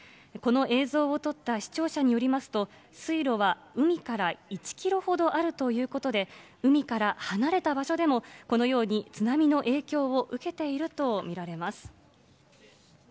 この映像を撮った視聴者によりますと、水路は海から１キロほどあるということで、海から離れた場所でも、このように津波の影響を受けていると見られます。